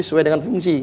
sesuai dengan fungsi